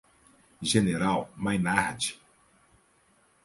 General Maynard